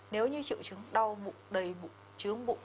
nếu như triệu chứng đau bụng đầy bụng chướng bụng